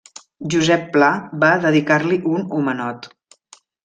Josep Pla va dedicar-li un homenot.